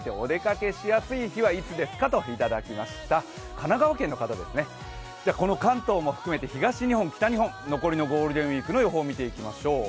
神奈川県の方ですね、関東も含めて東日本、北日本残りのゴールデンウイークの予報を見ていきましょう。